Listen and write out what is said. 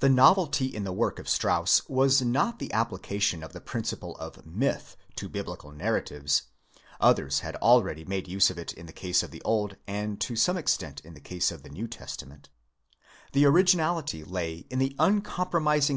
The novelty in the work of Strauss was not the application of the principle of " myth" to Biblical narratives ; others. had already made use of it in the case of the Old and to some extent in the case of the New Testa ment; the originality lay in the uncompromising xii INTRODUCTION.